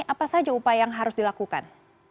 apa saja upaya yang harus dilakukan